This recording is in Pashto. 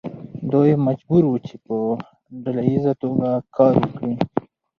دوی مجبور وو چې په ډله ایزه توګه کار وکړي.